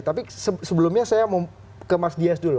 tapi sebelumnya saya mau ke mas dias dulu